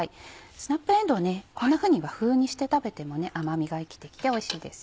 スナップえんどうねこんなふうに和風にして食べても甘みが生きてきておいしいです。